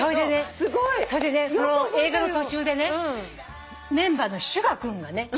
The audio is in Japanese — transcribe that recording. それでねその映画の途中でねメンバーのＳＵＧＡ君がね